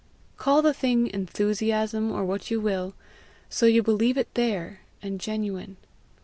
Call the thing enthusiasm or what you will, so you believe it there, and genuine.